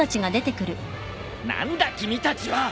何だ君たちは！